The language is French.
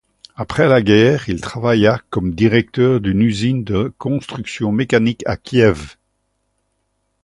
Après la guerre, il travailla comme directeur d'une usine de constructions mécaniques à Kiev.